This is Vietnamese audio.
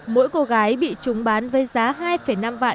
mỗi cô gái bị chúng bán với giá hai năm vạn